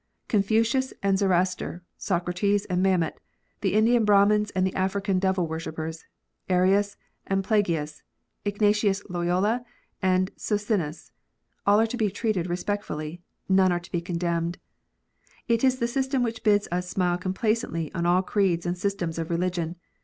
Confucius and Zoroaster, Socrates and Mahomet, the Indian Brahmins and the African devil worshippers, Arius and Pelagius, Ignatius Loyola and Socinus, all are to be treated respectfully : none are to be condemned. It is the system which bids us smile complacently on all creeds and systems of religion.